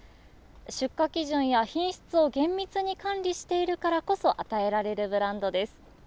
出荷基準や品質を厳密に管理しているからこそ与えられるブランドです。